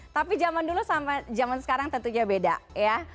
tapi zaman dulu sampai zaman sekarang tentunya beda ya